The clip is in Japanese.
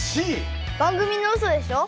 番組のウソでしょ？